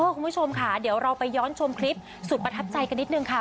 คุณผู้ชมค่ะเดี๋ยวเราไปย้อนชมคลิปสุดประทับใจกันนิดนึงค่ะ